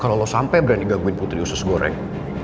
kalo lo sampe berani gangguin putri usus goreng